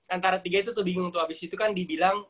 antara tiga itu tuh bingung tuh abis itu kan dibilang